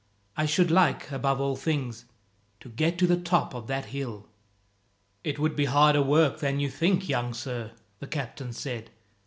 I should like, above all things, to get to the top of that hill." "It would be harder work than you think, young sir," the captain said.